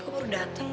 kok baru dateng